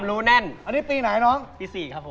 อู้ยสิบสองอีบ